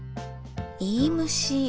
いいむし？